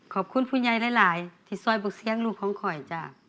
ขอบคุณผู้ใหญ่หลายที่ซ่อยบุกเสียงลูกของขอยจ้ะ